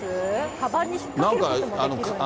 かばんに引っ掛けることもできるんですよ。